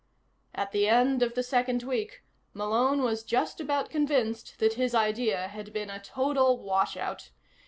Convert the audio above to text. At the end of the second week, Malone was just about convinced that his idea had been a total washout.